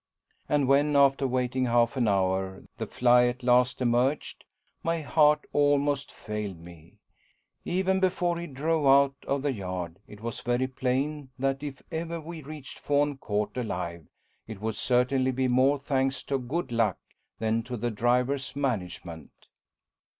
And when, after waiting half an hour, the fly at last emerged, my heart almost failed me. Even before he drove out of the yard, it was very plain that if ever we reached Fawne Court alive, it would certainly be more thanks to good luck than to the driver's management.